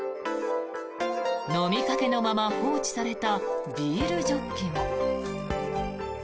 飲みかけのまま放置されたビールジョッキも。